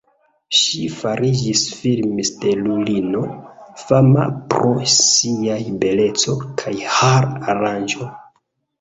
Ŝi fariĝis film-stelulino, fama pro siaj beleco kaj har-aranĝo.